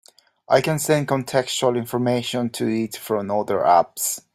I can send contextual information to it from other apps.